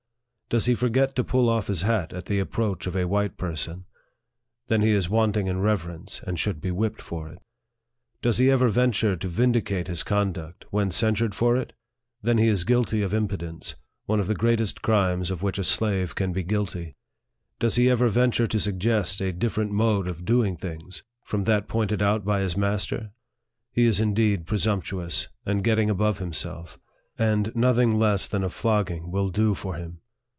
Does he forget to pull off his hat at the approach of a white person ? Then he is wanting in reverence, and should be whipped for it. Does he ever venture to vindicate his conduct, when censured for it ? Then he is guilty of impudence, one of the greatest crimes of which a slave can be guilty. Does he ever venture to suggest a different mode of doing things from that pointed out by his master ? He is indeed presumptuous, and getting above himself ; and nothing less than a flogging will do for him.